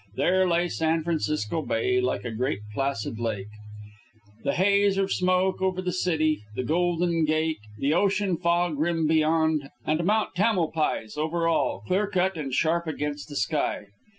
There lay San Francisco Bay like a great placid lake, the haze of smoke over the city, the Golden Gate, the ocean fog rim beyond, and Mount Tamalpais over all, clear cut and sharp against the sky.